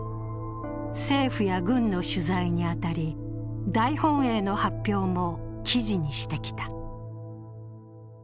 政府や軍の取材に当たり、大本営の発表も記事にしてきた。